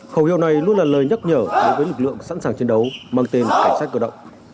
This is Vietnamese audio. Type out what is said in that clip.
khẩu hiệu này luôn là lời nhắc nhở đối với lực lượng sẵn sàng chiến đấu mang tên cảnh sát cơ động